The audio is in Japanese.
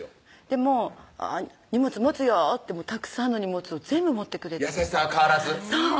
でも「荷物持つよ」ってたくさんの荷物を全部持って優しさは変わらずそう！